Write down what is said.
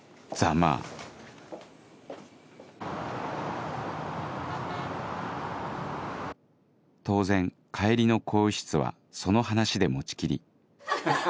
まぁ当然帰りの更衣室はその話で持ち切りハハハハ！